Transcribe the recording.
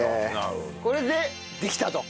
これでできたと。